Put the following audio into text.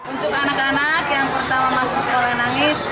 untuk anak anak yang pertama masuk sekolah nangis